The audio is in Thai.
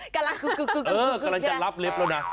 กำลังจะล้อปเล็บแล้วนะ